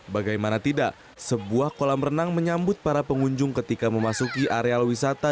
bagaimana tidak sebuah kolam renang menyambut para pengunjung ketika memasuki areal wisata